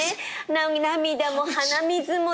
涙も鼻水も。